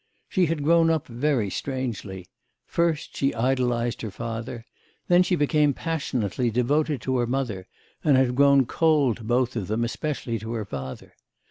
She had grown up very strangely; first she idolised her father, then she became passionately devoted to her mother, and had grown cold to both of them, especially to her father.